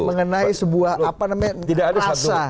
mengenai sebuah apa namanya rasa